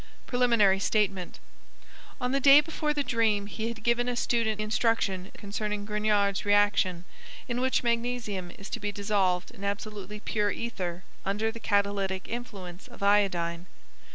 Preliminary statement. On the day before the dream he had given a student instruction concerning Grignard's reaction, in which magnesium is to be dissolved in absolutely pure ether under the catalytic influence of iodine.